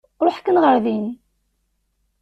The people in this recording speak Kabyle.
Ṛuḥ kan ɣer din.